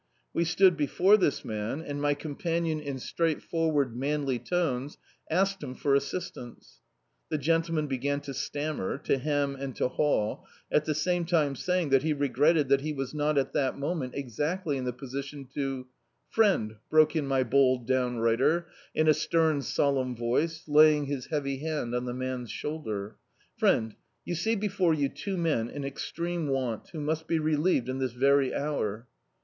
We stood before this man, and lH7] D,i.,.db, Google The Autobiography of a Super Tramp my companion in straightforward, manly tones, asked him for assistance. The gentleman began to stammer, to hem and to haw, at the same time say ing that he regretted that he was not at that mo* ment exactly in the position to "Friend," broke in my bold downrighter, in a stem solemn voice, laying his heavy hand on the man's shoulder; "friend, you see before you two men in extreme want, who must be relieved in this very hour."